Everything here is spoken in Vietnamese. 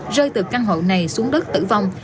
rơi từ căn hộ này xuống đất tử vong